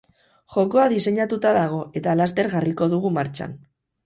Jokoa diseinatuta dago eta laster jarriko dugu martxan.